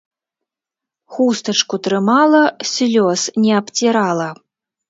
Хустачку трымала, слёз не абцірала.